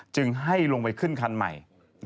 จึงให้ลงไปขึ้นคันใหม่